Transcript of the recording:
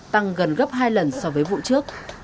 tăng gần gấp hai lần so với vụ trước